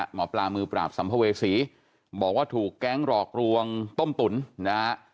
หมอปลามือปราบสัมภเวษีบอกว่าถูกแก๊งหลอกลวงต้มตุ๋นนะฮะ